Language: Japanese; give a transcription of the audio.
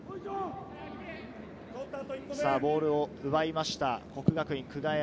ボールを奪いました、國學院久我山。